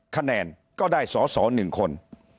คะแนนก็ได้สอสอ๑คน